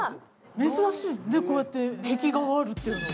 珍しいわね、こうやって壁画があるっていうのは。